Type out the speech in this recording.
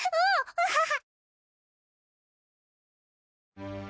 アハハ！